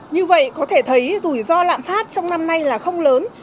như vậy có thể thấy rủi ro lạm phát trong năm nay là không lớn